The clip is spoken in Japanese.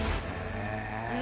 へえ！